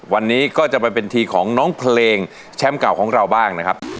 วันนี้ก็จะไปเป็นทีของน้องเพลงแชมป์เก่าของเราบ้างนะครับ